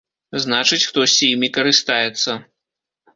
Значыць, хтосьці імі карыстаецца.